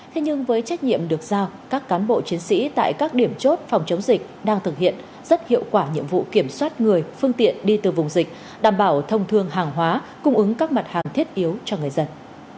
thế nhưng với trách nhiệm được giao các cán bộ chiến sĩ tại các điểm chốt phòng chống dịch đang thực hiện rất hiệu quả nhiệm vụ kiểm soát người phương tiện đi từ vùng dịch đảm bảo thông thương hàng hóa cung ứng các mặt hàng thiết yếu cho người dân